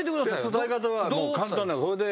伝え方はもう簡単なんです。